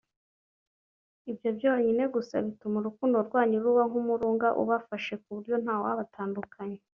ibyo byonyine gusa bituma urukundo rwanyu ruba nk’umurunga ubafashe kuburyo nta wabatandukanya